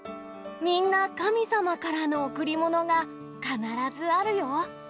みんな、神様からの贈り物が必ずあるよ。